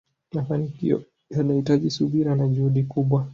mafanikio yanahitaji subira na juhudi kubwa